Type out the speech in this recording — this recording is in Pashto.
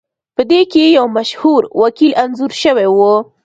پدې کې یو مشهور وکیل انځور شوی و